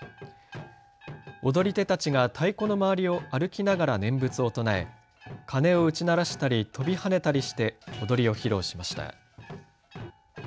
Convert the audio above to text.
踊り手たちが太鼓の周りを歩きながら念仏を唱えかねを打ち鳴らしたり跳びはねたりして踊りを披露しました。